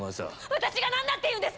私が何だっていうんですか！